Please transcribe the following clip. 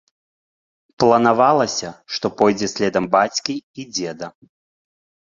Планавалася, што пойдзе следам бацькі і дзеда.